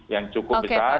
yang cukup besar